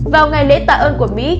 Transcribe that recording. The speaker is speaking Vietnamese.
vào ngày lễ tạ ơn của mỹ